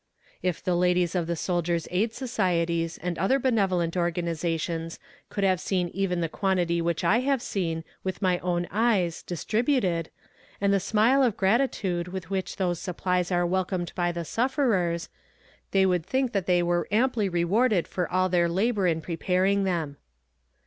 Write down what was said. If the ladies of the Soldiers' Aid Societies and other benevolent organizations could have seen even the quantity which I have seen with my own eyes distributed, and the smile of gratitude with which those supplies are welcomed by the sufferers, they would think that they were amply rewarded for all their labor in preparing them.